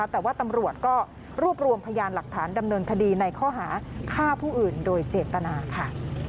แต่ว่าตำรวจก็รวบรวมพยานหลักฐานดำเนินคดีในข้อหาฆ่าผู้อื่นโดยเจตนาค่ะ